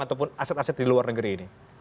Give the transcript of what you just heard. ataupun aset aset di luar negeri ini